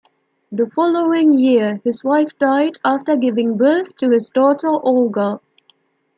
The following year, his wife died after giving birth to his daughter, Olga.